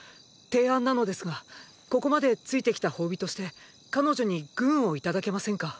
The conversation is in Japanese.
提案なのですがここまで付いてきた褒美として彼女に軍をいただけませんか？